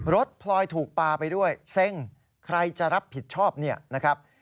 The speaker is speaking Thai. พลอยถูกปลาไปด้วยเซ็งใครจะรับผิดชอบเนี่ยนะครับ